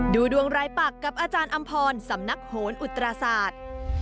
ดูดวงรายปักกับอาจารย์อำพรสำนักโหนอุตราศาสตร์